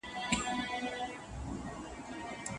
نقيب ناځوانه ښه ښېرا قلندري کړې ده